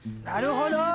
なるほど！